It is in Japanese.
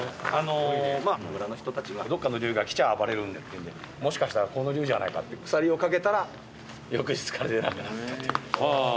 村の人たちがどっかの龍が来ちゃ暴れるんでもしかしたらこの龍じゃないかって鎖を掛けたら翌日から出なくなったという。